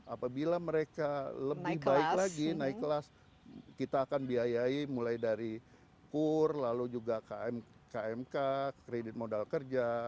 apabila mereka lebih baik lagi naik kelas kita akan biayai mulai dari kur lalu juga kmk kredit modal kerja